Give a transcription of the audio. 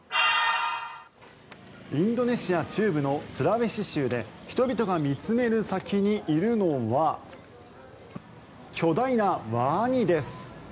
インドネシア中部のスラウェシ州で人々が見つめる先にいるのは巨大なワニです。